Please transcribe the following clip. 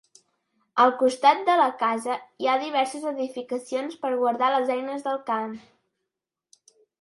Al costat de la casa hi ha diverses edificacions per guardar les eines del camp.